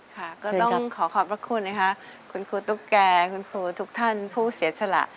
ค่ะก็ต้องขอขอบพระคุณนะคะคุณครูตุ๊กแก่คุณครูทุกท่านผู้เสียสละ